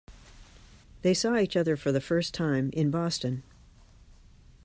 They saw each other for the first time in Boston.